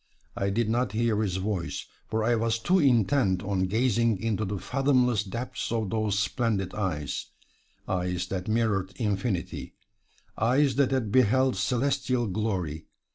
I did not hear his voice, for I was too intent on gazing into the fathomless depths of those splendid eyes eyes that mirrored infinity, eyes that had beheld celestial glory.